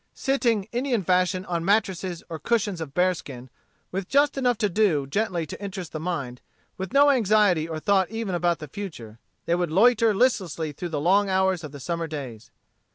Sitting Indian fashion on mattresses or cushions of bearskin, with just enough to do gently to interest the mind, with no anxiety or thought even about the future, they would loiter listlessly through the long hours of the summer days.